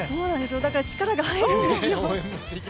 だから力が入るんですよ。